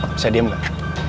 bisa diam gak